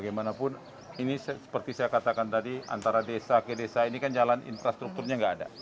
bagaimanapun ini seperti saya katakan tadi antara desa ke desa ini kan jalan infrastrukturnya nggak ada